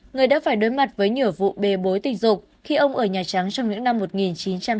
người đã phải đối mặt với nhiều vụ bê bối tình dục khi ông ở nhà trắng trong những năm một nghìn chín trăm bảy mươi